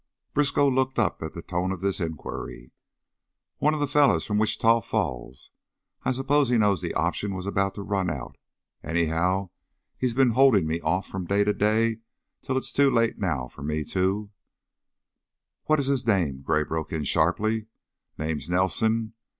_" Briskow looked up at the tone of this inquiry. "One of the fellers from Wichita Falls. I s'pose he knowed the option was about run out; anyhow, he's been holdin' me off from day to day till it's too late now fer me to " "What is his name?" Gray broke in, sharply. "Name's Nelson.